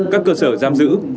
các cơ sở giam giữ